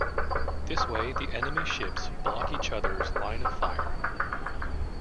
This way the enemy ships block each other's line of fire.